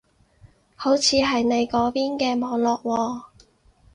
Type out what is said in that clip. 好似係你嗰邊嘅網絡喎